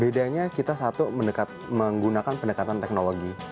bedanya kita satu menggunakan pendekatan teknologi